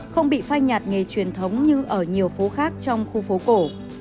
không bị phai nhạt nghề truyền thống như ở nhiều phố khác trong khu phố cổ